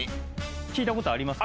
聞いた事ありますか？